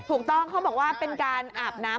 ถูกต้องเขาบอกว่าเป็นการอาบน้ำ